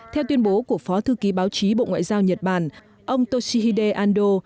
theo tuyên bố của phó thư ký báo chí bộ ngoại giao nhật bản ông toshihide ando